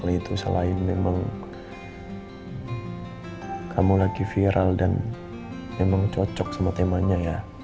karena kalau ada masalah lain memang kamu lagi viral dan memang cocok sama temanya ya